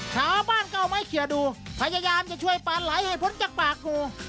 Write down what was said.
ชาวบ้านก็เอาไม้เคลียร์ดูพยายามจะช่วยปลาไหลให้พ้นจากปากกู